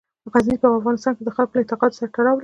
غزني په افغانستان کې د خلکو له اعتقاداتو سره تړاو لري.